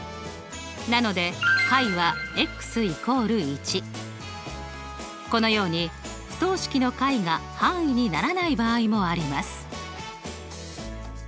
なので解はこのように不等式の解が範囲にならない場合もあります。